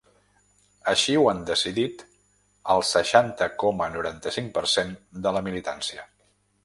Així ho han decidit el seixanta coma noranta-cinc per cent de la militància.